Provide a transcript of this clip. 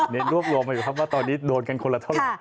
รวบรวมมาอยู่ครับว่าตอนนี้โดนกันคนละเท่าไหร่